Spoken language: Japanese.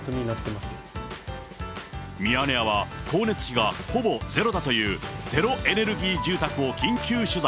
ミヤネ屋は光熱費がほぼゼロだという、ゼロエネルギー住宅を緊急取材。